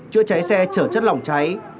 chữa cháy xe chở chất lỏng cháy